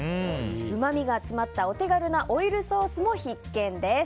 うまみが詰まったお手軽なオイルソースも必見です。